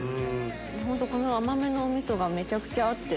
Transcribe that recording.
本当この甘めのお味噌がめちゃくちゃ合ってる。